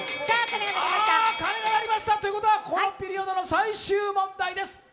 鐘が鳴りました、ということはこのピリオドの最終問題です。